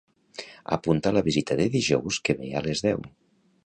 Apunta la visita de dijous que ve a les deu.